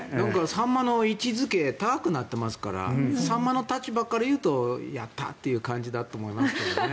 サンマの位置付け高くなってますからサンマの立場からいうとやったーという感じだと思いますけどね。